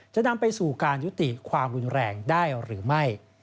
จะนำไปสู่การยุติความรุนแรงได้หรือไม่